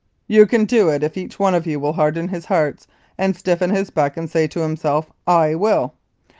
You can do it if each one of you will harden his heart and stiffen his back and say to himself ' I will.'